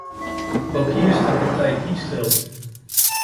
Ook hier staat de tijd niet stil.